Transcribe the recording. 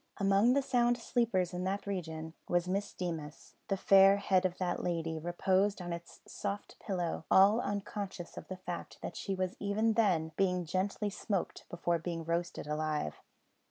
Among the sound sleepers in that region was Miss Deemas. The fair head of that lady reposed on its soft pillow all unconscious of the fact that she was even then being gently smoked before being roasted alive.